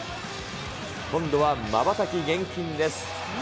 今度はまばたき厳禁です。